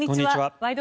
「ワイド！